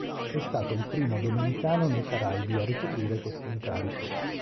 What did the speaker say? È stato il primo domenicano nei Caraibi a ricoprire questo incarico.